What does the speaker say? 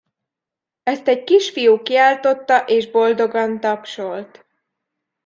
Ezt egy kisfiú kiáltotta, és boldogan tapsolt.